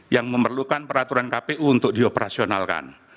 yang memerlukan peraturan kpu untuk dioperasionalkan